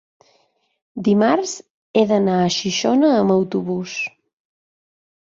Dimarts he d'anar a Xixona amb autobús.